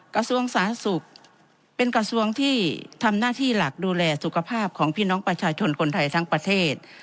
กระทรวงสาธารณสุขเป็นกระทรวงที่ทำหน้าที่หลักดูแลสุขภาพของพี่น้องประชาชนคนไทยทั้งประเทศ